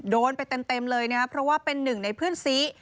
โดนไปเต็มเลยนะครับเพราะว่าเป็นหนึ่งในเพื่อนซี